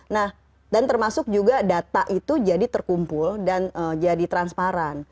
nah dan termasuk juga data itu jadi terkumpul dan jadi transparan